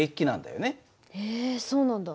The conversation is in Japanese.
へえそうなんだ。